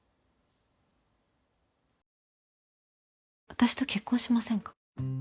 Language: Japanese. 私と結婚しませんか。